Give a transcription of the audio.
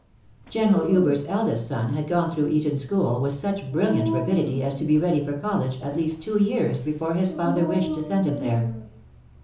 General Hubert's eldest son had gone through Eton school, with such brilhant rapidity as to be ready for college at least two years before his father wished to send him there.